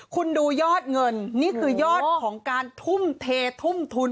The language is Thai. คุณดูยอดเงินนี่คือยอดของการทุ่มเททุ่มทุน